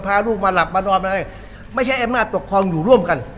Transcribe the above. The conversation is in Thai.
พาลูกมาหลับมานอนอะไรไม่ใช่อำนาจปกครองอยู่ร่วมกัน